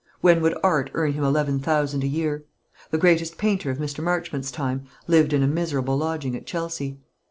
When would art earn him eleven thousand a year? The greatest painter of Mr. Marchmont's time lived in a miserable lodging at Chelsea.